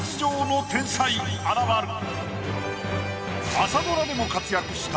朝ドラでも活躍した。